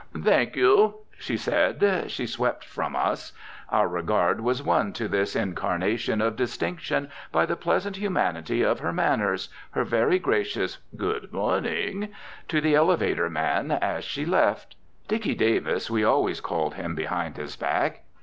"Thank you," she said; she swept from us. Our regard was won to this incarnation of distinction by the pleasant humanity of her manners, her very gracious "Good morning" to the elevator man as she left. "Dicky" Davis we always called him behind his back.